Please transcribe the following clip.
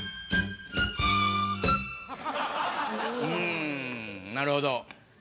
うんなるほど。